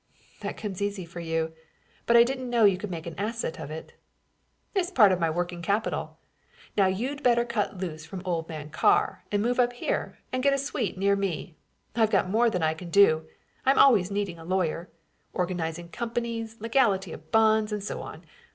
"That comes easy for you; but I didn't know you could make an asset of it." "It's part of my working capital. Now you'd better cut loose from old man Carr and move up here and get a suite near me. I've got more than I can do, I'm always needing a lawyer, organizing companies, legality of bonds, and so on.